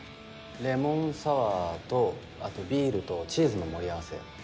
レモンサワーとあとビールとチーズの盛り合わせ。